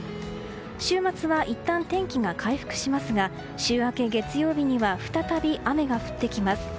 週末はいったん天気が回復しますが週明け、月曜日には再び雨が降ってきます。